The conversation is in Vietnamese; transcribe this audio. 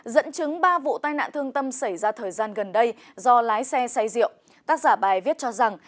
dẫn chứng ba vụ tai nạn thương tâm xảy ra thời gian gần đây do lái xe xay rượu tác giả bài viết cho rằng